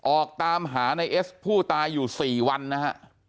ออกตามหาในเอสผู้ตายอยู่๔วันนะฮะ